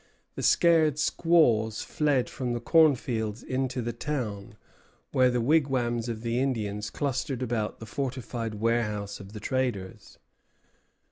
The scared squaws fled from the cornfields into the town, where the wigwams of the Indians clustered about the fortified warehouse of the traders.